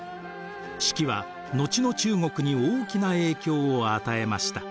「史記」は後の中国に大きな影響を与えました。